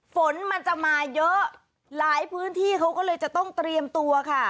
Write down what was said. ฝนมันจะมาเยอะหลายพื้นที่เขาก็เลยจะต้องเตรียมตัวค่ะ